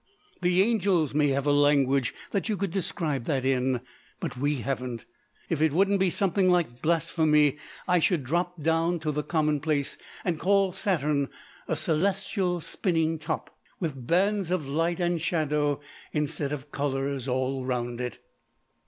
The angels may have a language that you could describe that in, but we haven't. If it wouldn't be something like blasphemy I should drop down to the commonplace, and call Saturn a celestial spinning top, with bands of light and shadow instead of colours all round it."